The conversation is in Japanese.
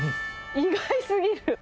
意外すぎる。